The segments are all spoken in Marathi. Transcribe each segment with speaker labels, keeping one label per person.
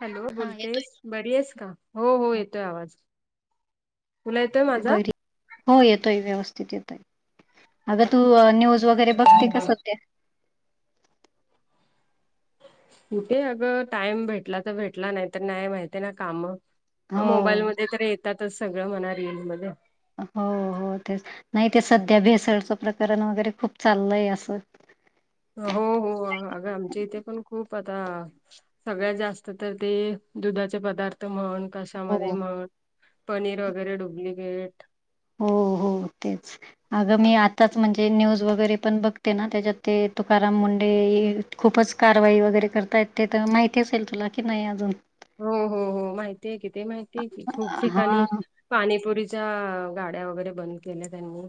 Speaker 1: हॅलो
Speaker 2: हा येतोय
Speaker 1: बोलतेस बरी आहेस का हो हो येतोय आवाज तुला येतोय माझा
Speaker 2: बरी हो येतोय व्यवस्थित येतोय अग तू न्यूज वगैरे बघती का संध्या
Speaker 1: कुठे अगं टाईम भेटला तर भेटला नाहीतर नाही माहितीये ना काम
Speaker 2: हो
Speaker 1: मोबाईलमध्ये तर येतातच सगळं म्हणा रीलमध्ये
Speaker 2: हो हो तेच नाही ते सध्या भेसळचं प्रकरण वगैरे खूप चाललंय असं
Speaker 1: हो हो अगं आमच्या इथे पण खूप आता सगळ्यात जास्त तर ते दुधाचे पदार्थ म्हण
Speaker 2: हो
Speaker 1: कशामध्ये म्हण पनीर वगैरे डुप्लिकेट
Speaker 2: हो हो तेच अगं मी आताच म्हणजे न्यूज वगैरे पण बघते ना त्याच्यात ते तुकाराम मुंडे ए खूपच कारवाई वगैरे करतायेत ते तर माहिती असेल तुला की नाही अजून
Speaker 1: हू हू हू माहितीये की ते माहितीये की खूप ठिकाणी
Speaker 2: हा
Speaker 1: पाणीपुरीच्या गाड्या वगैरे बंद केल्या त्यांनी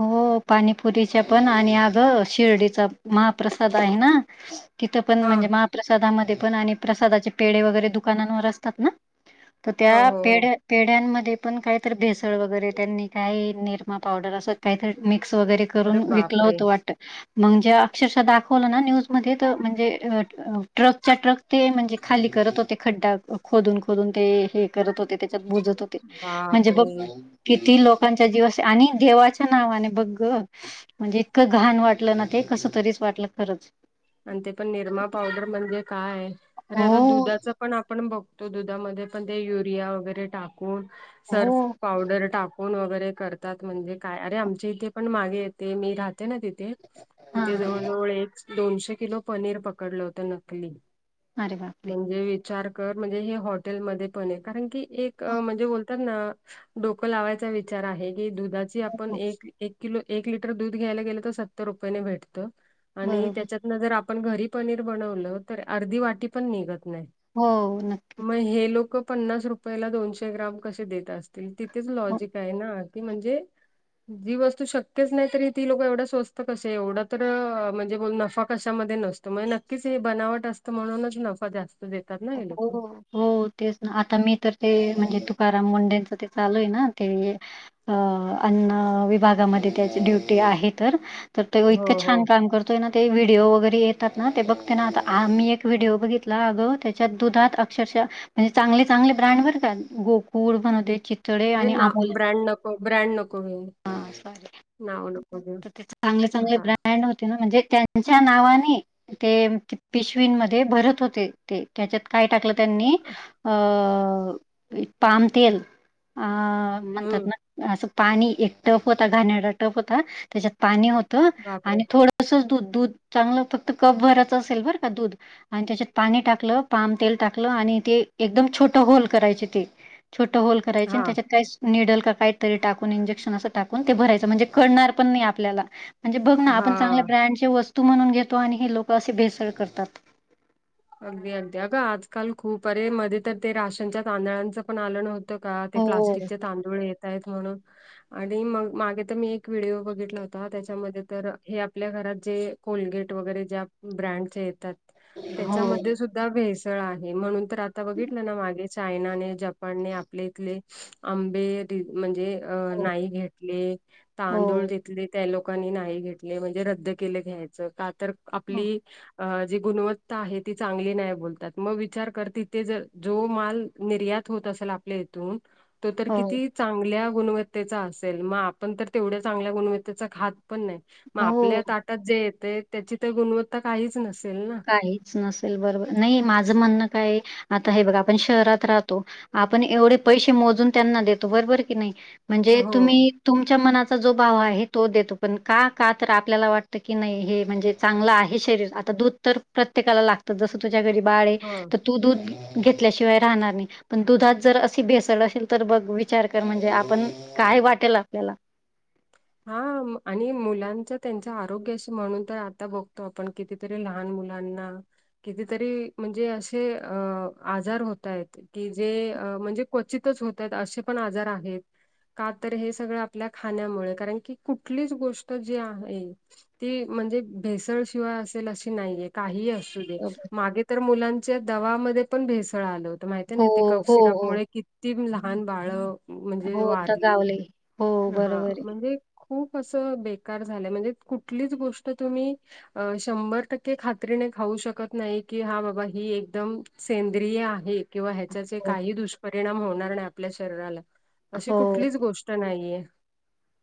Speaker 2: हो पाणीपुरीच्या पण आणि अग शिर्डीचा महाप्रसाद आहे ना
Speaker 1: [inaudible]
Speaker 2: तिथं पण
Speaker 1: हा
Speaker 2: म्हणजे महाप्रसादामध्ये पण आणि प्रसादाचे पेढे वगैरे दुकानांनवर असतात ना तर
Speaker 1: हो
Speaker 2: त्या
Speaker 1: हो हो
Speaker 2: पेढ्यात पेढ्यांमध्ये पण काही तर भेसळ वगैरे त्यांनी काही निरमा पावडर असं ते. काही तरी मिक्स वगैरे
Speaker 1: अरे
Speaker 2: करून विकलं
Speaker 1: बापरे
Speaker 2: होतं वाटतं. मग जेव्हा अक्षरशः दाखवलं ना न्यूज मध्ये तर म्हणजे अ अ ट्रकच्या ट्रक- ते म्हणजे खाली करत होते खड्डा खोदून खोदून ते हे करत होते त्याच्यात बुजत हो ते म्हणजे बघ
Speaker 1: बापरे
Speaker 2: किती लोकांच्या जीवाशी आणि देवाच्या नावाने बघ ग म्हणजे इतकं घाण वाटलं ना ते कस तरीच वाटलं खरंच.
Speaker 1: आणि ते पण निरमा पावडर म्हणजे काय अरे
Speaker 2: हो
Speaker 1: आता दुधाचं पण पण आपण बघतो दुधामध्ये पण ते युरिया वगैरे टाकून सर्फ
Speaker 2: हो
Speaker 1: पावडर टाक फोन वगैरे करतात म्हणजे काय अरे आमच्या इथे पण मागेये ते मी राहते ना तिथ ते
Speaker 2: हा
Speaker 1: तिथे जवळ जवळ एक दोनशे किलो पनीर पकडलं होत नकली.
Speaker 2: अरे बापरे
Speaker 1: म्हणजे विचार कर म्हणजे हे हॉटेलमध्ये पनीर, कारण की एक
Speaker 2: हो
Speaker 1: अ म्हणजे बोल तर ना डोकं लावायचा विचार आहे की दुधाची आपण
Speaker 2: हो.
Speaker 1: एक ली एक किलो एक लिटर दूध घ्यायला गेलं तर सत्तर रुपयेने भेटतं आणि
Speaker 2: बरोबर
Speaker 1: त्याच्यात जर आपण घरी पनीर बनवलं तर अर्धी वाटी पण निघत नाही.
Speaker 2: हो नक्कीच
Speaker 1: मग हे लोकं पन्नास रुप पयला दोनशे ग्राम कसे देत असतील तिथेच
Speaker 2: हो.
Speaker 1: लॉजिक आहे ना की म्हणजे जी वस्तू शक्यच नाही तरी ती लोकं एवढं स्वस्त कसे एवढं तर अ म्हणजे बोल नफा कशामध्ये नसतो, म्हणजे नक्कीच हे बनावट असतं म्हणूनच नफा जास्त देतात ना हे लोकं.
Speaker 2: हो. हो तेच ना आता मी तर ते म्हणजे तुकाराम मुंडेच ते चालू आहे ना ते अ अन्न विभागामध्ये त्याची ड्युटी आहे तर तर तेव
Speaker 1: हो
Speaker 2: इतकं
Speaker 1: हो
Speaker 2: छान काम करतो. येतोय ना ते व्हिडिओ वगैरे येतात ना ते बघते ना आता आ मी एक व्हिडिओ बघितला अगं त्या च्या दुधात अक्षरशः म्हणजे चांगले चांगले ब्रँड बरं का गोकुळ म्हणू देत चित
Speaker 1: हे ना ब्रँड नको ब्रँड नको हे
Speaker 2: हां तर ते चांगले चांगले
Speaker 1: हा
Speaker 2: ब्रँड होते ना म्हणजे त्यान त्यांच्या नावानी ते पिशवींमध्ये भरत होते ते त्याच्यात काय टाकलं. त्यांनी अ पाम तेल अं म्हणतात
Speaker 1: हम्म
Speaker 2: ना- असं पाणी एक टफ होता घाणेरडा टफ होता त्याच्यात पाणी होतं
Speaker 1: बापरे
Speaker 2: आणि थोडं तसंच दूध दूध चांगलं फक्त कप भरचं असेल बरं का दूध आणि त्याच्यात पाणी टाकलं पाम तेल टाकलं आणि ते एकदम छोट होल करायचे ते छोट होल करायचे
Speaker 1: हा
Speaker 2: न त्याच्यात काय सु निडल काही तरी टाकून इंजेक्शन असं टाकून ते भरायचं, म्हणजे कळणार पण नाही आपल्याला म्हणजे बघना आपण
Speaker 1: हा
Speaker 2: चांगल्या ब्रँडचे च्या वस्तू म्हणून घेतो आणि हे लोक असे भेसळ करतात.
Speaker 1: अगदी अगदी अगं आजकाल खूप अरे मध्ये तर ते राशनच्या तांदळांचं पण आलं नव्ह का ते
Speaker 2: हो.
Speaker 1: प्लास्टिकचे तांदूळ येतायत म्हणून. आणि मग मागे तर मी एक व्हिडिओ बगीतला होता त्यांच्यामध्ये तर हे आपल्या घरात जे, कोलगेट वगेरे ज्या ब्रँडच्या येतात.
Speaker 2: हो,
Speaker 1: त्यांच्यामध्ये सुद्धा भेसळ आहे म्हणून तर आता बघितलं ना मागे चायनाने जपान. जपान ने आपल्या इतले आंबे म्हणजे अ नाइ घेतले
Speaker 2: हो,
Speaker 1: तांदूळ घेतले त्या लोक नाही घेतले म्हणजे रद्द केले घ्यायचं, का तर
Speaker 2: हो,
Speaker 1: आपली ज गुणवत्ता, आहे ती चांगली नाइ बोलतात मग विचार कर त ते जर जो माल निर्यात होत असेल आपल्या- तुन तर
Speaker 2: हो,
Speaker 1: किती चांगल्या गुणवत्तेचा असेल म आपण तर तेवडया चांगल्या गुणवत्तेचा खात पण नाई. म आपल्या
Speaker 2: हो.
Speaker 1: ताटात जे येतय त्याची तर गुणवत्ता काइच नसेल ना.
Speaker 2: काहीच नसेल बरोबर नाही माझं म्हणणं काय आता हे बघा आपण शहरात राहतो. आपण एवडे पैशे मोजून त्यांना देतो, बरोबर हाय की नाई मणजे
Speaker 1: हो
Speaker 2: तुम्ही तुमच्या मनाचा जो बाव आहे तो देतो, पण का का तर आपल्याला वाटतं की, नाई हे म्हणजे चांगलं आहे शरीर, आता दूद तर प्रत्येकाला लागतं, जस तुज्या घरी बाळ
Speaker 1: ह
Speaker 2: हाय तू दूध घेतल्याशिवाय राहणार नाई पण दुधात जर अशी भेसळ असेल तर, बघ विचार कर म्हणजे आपण काय वाटेल आपल्याला.
Speaker 1: हा आणि मुलांच त्यांच आरोग्याशी, म्हणून तर आता बगतो आपण कितीतरी लहान मुलांना कितीतरी मणजे असे अ आजार होतायेत. कि जे अ मणजे क्वचितच होतायेत, असे पण आजार आहेत. का तर, हे सगळं आपल्या खाण्यामुळे कारण की, कुठलीच गोष्ट जी आहे ते मणजे भेसळशिवाय असेल, अशी नाहीये काहीही अ सुदे
Speaker 2: बरोबर.
Speaker 1: मागे तर, मुलांच्या दवामदे पण भेसळ आलं हो माहिती नाइ, ते कप
Speaker 2: हो,
Speaker 1: सिरप
Speaker 2: हो.
Speaker 1: मुळे किती लहान बाळ मणजे
Speaker 2: हो
Speaker 1: वारली.
Speaker 2: दगावले. हो
Speaker 1: हा.
Speaker 2: बरोबर आहे.
Speaker 1: हे खूप अस बेकार झालंय म्हणजे कुटलीच गोष्ट तुम्ही अ शंबर टक्के खात्रीने खाऊ शकत नाइ की, हा बाबा ही एकदम सेंद्रिय आहे. किंवा ह्याच्याचे
Speaker 2: हो,
Speaker 1: काही दुष्परिणाम होणार नाय आपल्या शरीराला, अशी
Speaker 2: हो.
Speaker 1: कुटलीच गोष्ट ट नाइये.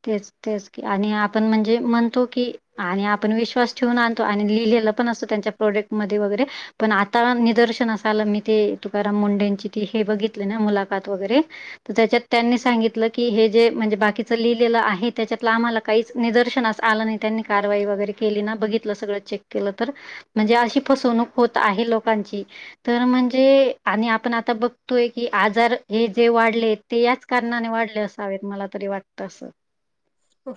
Speaker 2: तेच, तेच की आणि आपण मणजे मणतो की आणि आपण विश्वास ठेवून आणतो आणि लिहिलेला पण असतो, त्यांच्या प्रोडक्टमदे वैगेरे. पण आता निदर्शनास आलं, मी ते तुकाराम मुंडेची ती हे बगीतली ना, मुलाकात वगेरे तर त्याच्यात त्यांनी सांगितलं की, हे जे मणजे बाकीचं लिह लेल आहे, त्याच्यात आम्हाला काहीच निदर्शनास आलं नाही. त्यांनी कारवाई वगैरे केली ना, बगीतलं सगळं चेक केलं तर म्हणजे आशी फसवणूक होत आहे लोकांची. तर मणजे आणि आपण आता बगतोय की, आजार हे जे वाडलेत ते याच कारणाने वाडले असावेत, मला तरी वाटतं असं.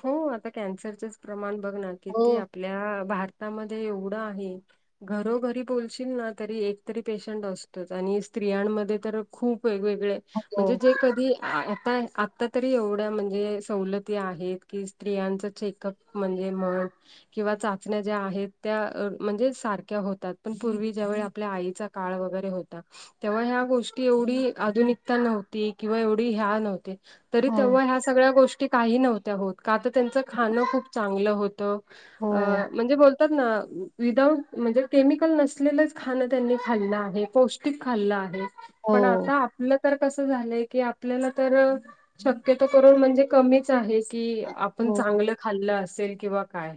Speaker 1: हो आता कॅन्सरचच प्रमाण बगना,
Speaker 2: हो,
Speaker 1: किती आपल्या भार तामदे एवड आहे घरोघरी बोलशील ना, तरी एकतरी पेशंट असतोच आणि स्त्रियांमध्ये तर खूप वेगवेगळे
Speaker 2: हो,
Speaker 1: मणजे जे कधी आ आता तरी एवढ्या म्हणजे सवलती आहेत कि स्त्रियांच चेकअप म्हणजे म किंवा चाचण्या ज्या आहेत, त्या मणजे सारख्या होतात, पण पूर्वी ज्या वेळी आपल्या आईचा काळ वगेरे होता. तेव्हा ह्या गोष्टी एवडी आधुनिकता नव्हती किंवा एवढी ह्या नव्हते तरी
Speaker 2: हो,
Speaker 1: तेव्हा ह्या सगळ्या गोष्टी काही नव्हत्या होत, का तर? त्यांच खाणं खूप चांगलं होतं. अ
Speaker 2: हो,
Speaker 1: म्हणजे बोल तात ना, विदाऊट म्हणजे केमिकल नसलेलंच खाणं त्यांनी खाल्लं आहे, पौष्टिक खाल्लं आहे. पण आता
Speaker 2: हो,
Speaker 1: आपलं तर कसं झालंय की, आपल्याला तर शक्यतो करून म्हणजे कमीच आहे. कि आपण
Speaker 2: हो.
Speaker 1: चांगलं खाल्लं असेल किंवा काय?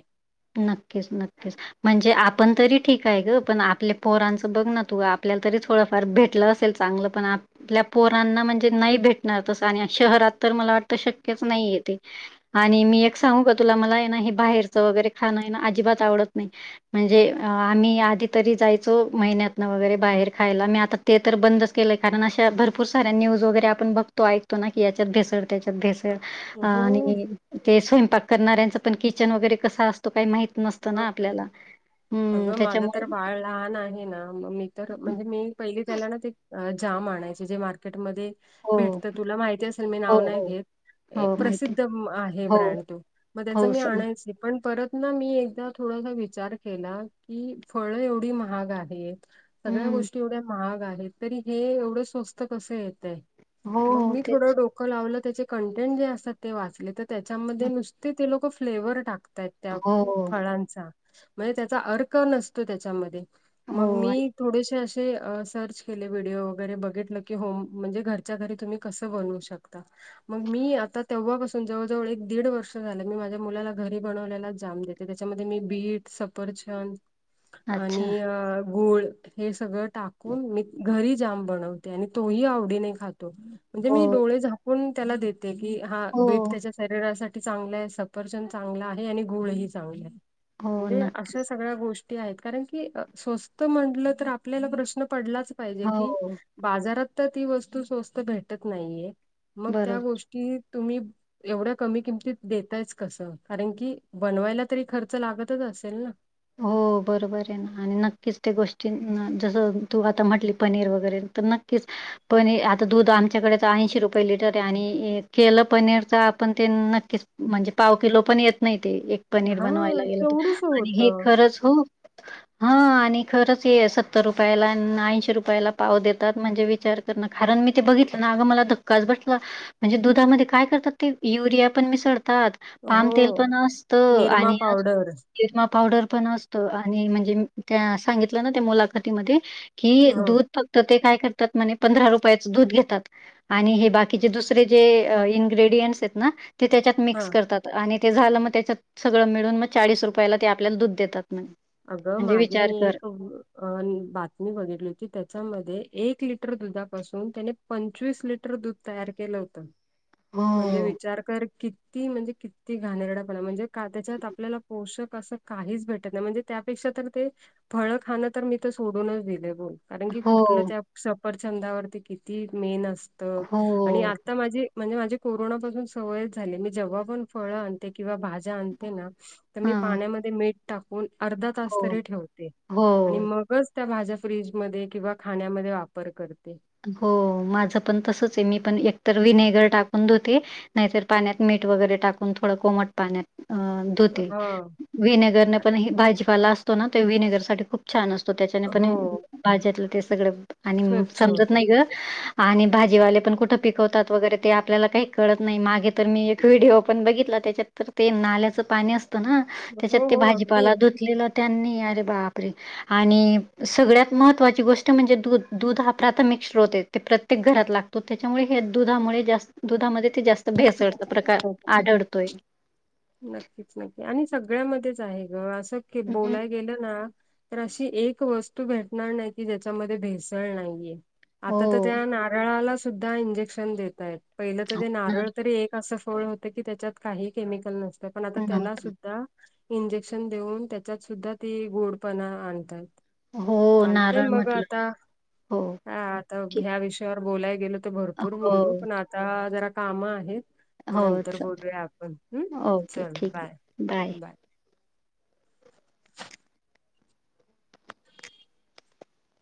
Speaker 2: नक्कीच नक्कीच. म्हणजे आपण तरी ठीक आहे ग, पण आपल्या पोरांच बघ ना तू, आपल्याला तरी थोडंफार भेटलं असेल चांगलं पण, आप आपल्या पोरांना म्हणजे नाही भेटणार तस आणि शहरात तर, मला वाटत शक्यच नाहीये तेे. आणि मी एक सांगू का तुला? मला आहे ना हे बाहेरच वगैरे खाणं आहे ना, अजिबात आवडत नाही. म्हणजे अ आम्ही आधी तरी जायचो महिन्यातन वगैरे बाहेर खायला मी आता ते तर बंदच केलं कारण अशा भरपूर साऱ्या न्यूज वगैरे आपण बघतो ऐकतो ना की याच्यात भेसड त्याच्यात भेस
Speaker 1: हो.
Speaker 2: आणी ते स्वयंपाक करणार्यांचं पण किचन वगैरे कसा असतो का माहि
Speaker 1: मग काय अगं माझं तर
Speaker 2: त्याच्यामुळे
Speaker 1: बाळ लहान आहे ना अ म मी तर म्हणजे मी पईले त्याला ना ते जाम आणायचे जे मार्केटमध्ये
Speaker 2: हो,
Speaker 1: भेटतं तुला माहिती असेल मी
Speaker 2: हो,
Speaker 1: नाव नाय
Speaker 2: हो,
Speaker 1: घेत.
Speaker 2: हो, माहिती.
Speaker 1: प्रसिद्ध म आहे
Speaker 2: हो,
Speaker 1: ब्रँड तू म त्याचं
Speaker 2: हो,
Speaker 1: मी
Speaker 2: समज
Speaker 1: आणायची पण परत म मी एकदा थोडंसा विचार केला की फळं एवढी महाग आहे सगळ्या
Speaker 2: हं.
Speaker 1: गोष्टी एवढ्या महाग आहे, तरी हे एवढं स्वस्तं कसं येतंय.
Speaker 2: हो,
Speaker 1: मग मी थोडं
Speaker 2: तेच.
Speaker 1: डोकं लावलं त्याचे कंटेंट जे असता ते वाचले त त्याच्यामध्ये नुसते ते लोक फ्लेवर टाकतायत त्या
Speaker 2: हो,
Speaker 1: -ळांचा म्हणजे त्याचा अर्क नसतोय त्याच्यामध्ये.
Speaker 2: हो,
Speaker 1: मग
Speaker 2: आणि
Speaker 1: मी थोडेसे असे अ सर्च केले व्हिडिओ वगैरे बघितलं की हो म्हणजे घरच्या घरी तुम्ही कसं बनवू शकता. मग मी आता तेव्हापासून जवळजवळ एक दीड वर्ष झालं मी माझ्या मुलाला घरी बनवल्याला जाम देत् त त्याच्यामध्ये मी बीट सफरचंद आणि
Speaker 2: अच्छा.
Speaker 1: अ गूळ हे सगळं टाकून मी घरी जाम बनवते आणि तोही आवडीने खातो म्हणजे
Speaker 2: हो,
Speaker 1: मी डोळे झाक् -कुण त्याला देते की हा बीट
Speaker 2: हो.
Speaker 1: त्याच्या शरीरासाठी चांगलंय, सफरचंन चांगलं आहे आणि गुळही चांगले
Speaker 2: हो
Speaker 1: म्हणजे
Speaker 2: नक्की
Speaker 1: असस् सागळ्या गोष्टी आहेत कारण की अ स्वस्त म्हंटलं तर आपल्याला प्रश्न पडलाच् पायजे
Speaker 2: हो
Speaker 1: की बाजारात त ती वस्तू स्वस्त भेटत नाईये मग त्या
Speaker 2: बरोबर
Speaker 1: गोष्ट् की तुम्ही एवढ्या कमी किमतीत देतायच कसं कारण की बनवायला तरी खर्च लागतंच असेल न.
Speaker 2: हो. बरोंबरे ना आणि नक्कीच त्या गोष्टी जसं तू आता म्हटली पनीर वगैरे त नक्कीच् पनी आता दूध आमच्याकडे त ऐंशी रुपये लिटरे आणि केलं पनीरच आपण ते नक्कीच् म्हणजे पाव किलो पण येत नई ते एक पनीर
Speaker 1: हा
Speaker 2: बनवायला गेलं त
Speaker 1: केवढूस
Speaker 2: आणि हे
Speaker 1: होतं.
Speaker 2: खरंच हो हा आणि खरचे सत्तर रुपयाला न ऐंशी रुपयाला पाव देतात म्हणजे विचार तर न कारण मी ते बघितलं ना अगं मला धक्काच बसला. म्हणजे दुधामध्ये काय करतात ते युरिया पण मिसळतात पाम तेल पण
Speaker 1: हो.
Speaker 2: असतं
Speaker 1: निरमा
Speaker 2: आणि अजु
Speaker 1: पावडर
Speaker 2: निरमा पावडर पण असतो आणि म्हणजे त्या सांगितलं ना त्या मुलाखतीमध्ये कि
Speaker 1: ह
Speaker 2: दूध फक्त ते काय करतात म्हणे पंधरा रुपयाचं दूध घेतात आणि हे बाकीचे दुसरे जे इन्ग्रेडियंट्सेत ना ते त्याच्यात
Speaker 1: हा
Speaker 2: मिक्स करतात आणि ते झालं म त्याच्यात सगळं मिळून म चाळीस रुपयाला ते आपल्याला दूध देतात म्हण्
Speaker 1: अगं मागे मी एक अन बातमी बघितली होती त्याच्यामध्ये एक लिटर दुधापासून त्याने पंचवीस लिटर दूध तयार केलं होतं. म्हणजे
Speaker 2: हो,
Speaker 1: विचार कर किती म्हणजे किती घाणेरडापणा म्हणजे का त्याच्यात आपल्याला पोषक असं काहीच भेटत नाई म्हणजे त्यापेक्षा तर ते फळं खाणं तर मी त सोडूनच दिले बोल कारण की
Speaker 2: हो,
Speaker 1: कुठलं त्या सफरचंदावरती किती मेन असतं
Speaker 2: हो,
Speaker 1: आणि आ ता माझी म्हणजे माझी कोरोनापासून सवय झाली मी जेव्हा पण फळं आणते किंवा भाज् आणते ना त मी
Speaker 2: हां.
Speaker 1: पाण्यामध्ये मीठ टाकून अर्धा तास
Speaker 2: हो,
Speaker 1: तरी ठेवते आणि
Speaker 2: हो,
Speaker 1: मगच त्या भाज्या फ्रीजमध्ये किंवा खाण्यामध्ये वापर करते.
Speaker 2: हो माझं पण तसंच आहे मी पण एकतर विनेगर टाकून धुते नाहीतर पाण्यात मीठ वगैरे टाकून थोडं कोमट पाण्यात अ धुते.
Speaker 1: हा
Speaker 2: व्हिनेगर ने पण
Speaker 1: कारण-
Speaker 2: भाजीपाला असतो ना व्हिनेगर साठी खूप छान असतो त्याच्याने पण
Speaker 1: हो
Speaker 2: भाज्यातलं ते सगळं आणि
Speaker 1: स्वच्छ
Speaker 2: समजत
Speaker 1: होत.
Speaker 2: नाही आणि भाजीवाले पण कुठं पिकवतात वगैरे ते आपल्याला काही कळत नाही माग तर मी एक व्हिडिओ पण बघितला त्याच्यात तर ते नाल्याचं पाणी असतं ना त्याच्यात
Speaker 1: हो
Speaker 2: ते
Speaker 1: हो अगदी.
Speaker 2: भाजीपाला धुतलेलं त्यांनी, अरे बाप रे! आणि सगळ्यात महत्त्वाची गोष्ट म्हणजे दूध, दूध हा प्राथमिक स्रोत आहे ते प्रत्येक घरात लागतो त्याच्यामुळे हे दुधामुळे जास्त दुधामध्ये ते जास्त भेसळचा
Speaker 1: जास्त
Speaker 2: प्रकार
Speaker 1: महत्वाचं.
Speaker 2: आढळतोय.
Speaker 1: नक्कीच नक्की. आणि सगळ्यामध्येच आहे गं असं
Speaker 2: हं.
Speaker 1: बोलाय गेलं ना तर अशी एक वस्तू भेटणार नाही की ज्याच्यामध्ये भेसळ नाहीये.
Speaker 2: हो.
Speaker 1: आता तर त्या नारळाला सुद्धा इंजेक्शन देतायेत पहिलं तर
Speaker 2: हो
Speaker 1: ते नार
Speaker 2: ना.
Speaker 1: तरी एक असं फळ होतं की त्याच्यात काही केमिकल नसतं पण आता त्याला
Speaker 2: नव्हतं.
Speaker 1: सुद्धा इंजेक्शन देऊन त्याच्यात सुद्धा ती गोडपणा आणतात.
Speaker 2: हो,
Speaker 1: चालतय
Speaker 2: नारळ
Speaker 1: मग
Speaker 2: म्हटलं.
Speaker 1: आता.
Speaker 2: हो,
Speaker 1: ह तर
Speaker 2: ठीक.
Speaker 1: ह्या विषयावर बोलायला गेलो तर भरपूर
Speaker 2: हो,
Speaker 1: बोलू पण आता जरा कामं आहेत. मग
Speaker 2: हो.
Speaker 1: नंतर
Speaker 2: च
Speaker 1: बोलूया आपण हम्म
Speaker 2: ओके
Speaker 1: चल
Speaker 2: ठीक
Speaker 1: बाय,
Speaker 2: आहे.
Speaker 1: बाय.